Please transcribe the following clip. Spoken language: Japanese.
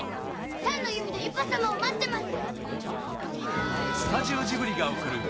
酸の湖でユパ様を待ってます。